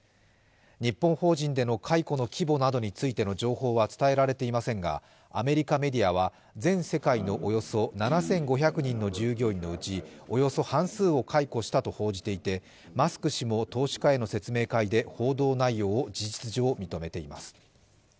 日本法人での解雇の規模などについての情報は伝えられていませんが、アメリカメディアは、全世界のおよそ７５００人の従業員のうちおよそ半数を解雇したと報じていてマスク氏も投資家への説明会で報道内容を事実上認めています。